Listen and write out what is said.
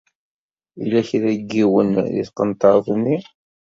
Yella kra n yiwen di tqenṭaṛt-nni.